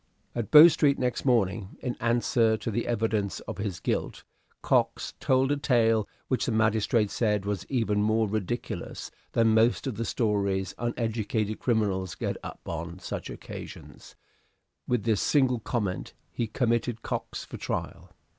At Bow Street next morning, in answer to the evidence of his guilt, Cox told a tale which the magistrate said was even more ridiculous than most of the stories uneducated criminals get up on such occasions; with this single comment he committed Cox for trial.